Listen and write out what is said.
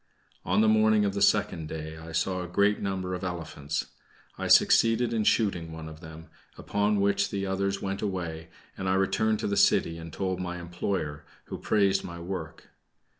On the morning of the second day, I saw a great number of elephants. I succeeded in shooting one of them, upon which the others went away, and I returned to the city and told my employer, who praised my work.